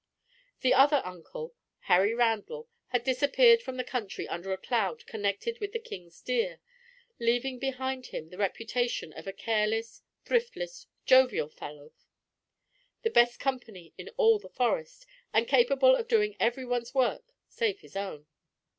The other uncle, Harry Randall, had disappeared from the country under a cloud connected with the king's deer, leaving behind him the reputation of a careless, thriftless, jovial fellow, the best company in all the Forest, and capable of doing every one's work save his own.